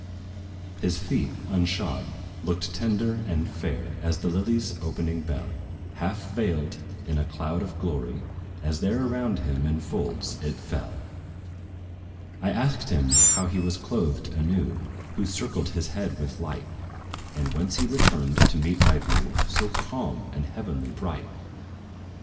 His feet, unshod, looked tender and fair, As the lily's opening bell, Half veiled in a cloud of glory, as there Around him, in folds, it fell. I asked him how he was clothed anew Who circled his head with light And whence he returned to meet my view So calm and heavenly bright.